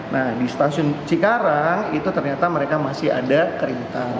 nah di stasiun cikarang itu ternyata mereka masih ada kerintang